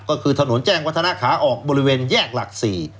ก็คือถนนแจ้งวัฒนาขาออกบริเวณแยกหลัก๔